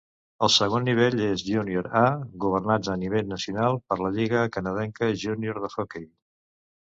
el segon nivell és Junior A, governats a nivell nacional per la Lliga Canadenca Junior de Hockey.